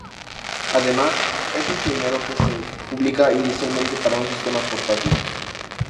Además, es el primero que se publica inicialmente para un sistema portátil.